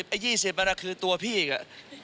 ไอ้๒๐มันคือตัวพี่อีก